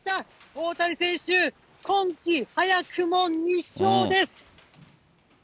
大谷選手、今季早くも２勝です。